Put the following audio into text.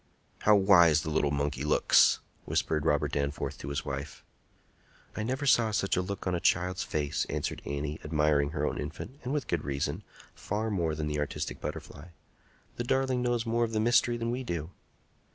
"How wise the little monkey looks!" whispered Robert Danforth to his wife. "I never saw such a look on a child's face," answered Annie, admiring her own infant, and with good reason, far more than the artistic butterfly. "The darling knows more of the mystery than we do."